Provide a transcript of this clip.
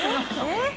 えっ？